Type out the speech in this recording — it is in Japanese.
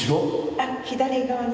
あっ左側に。